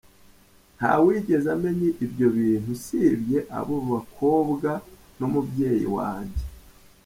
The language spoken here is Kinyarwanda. Ntawigeze amenya ibyo bintu usibye abo bakobwa n’umubyeyi wanjye.